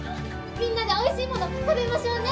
みんなでおいしいもの食べましょうね！